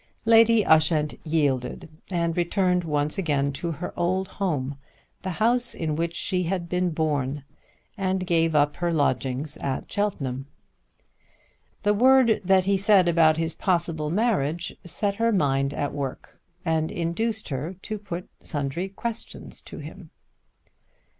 Lady Ushant yielded and returned once again to her old home, the house in which she had been born, and gave up her lodgings at Cheltenham. The word that he said about his possible marriage set her mind at work, and induced her to put sundry questions to him.